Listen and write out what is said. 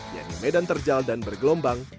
yaitu medan terjal dan bergelombang